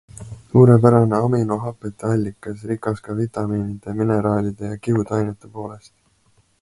Suurepärane aminohapete allikas, rikas ka vitamiinide, mineraalide ja kiudainetepoolest.